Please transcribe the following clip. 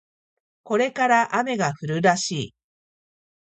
これから雨が降るらしい